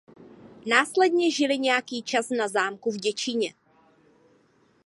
Následně žili nějaký čas na zámku v Děčíně.